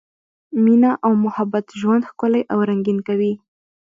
مینه او محبت ژوند ښکلی او رنګین کوي.